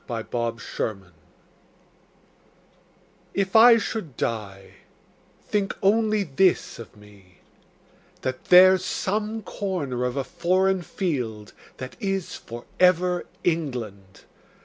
The Soldier If I should die, think only this of me: That there's some corner of a foreign field That is for ever England.